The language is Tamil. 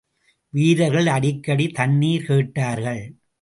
வீரர்கள் அடிக்கடி, தண்ணிர் கேட்டார்கள்.